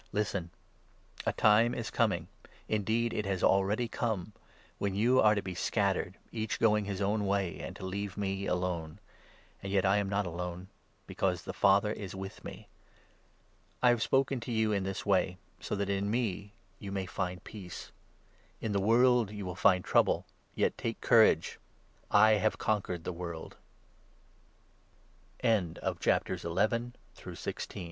Listen ! 31, 32 a time is coming — indeed it has already come — when you are to be scattered, each going his own way, and to leave me alone ; and yet I am not alone, because the Father is with me. I have spoken to you in this way, so that in me you may 33 find peace. In the world you will find trouble ; yet, take courage ! I have conquered